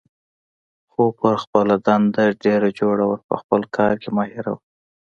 خو پر خپله دنده ډېره جوړه وه، په خپل کار کې ماهره وه.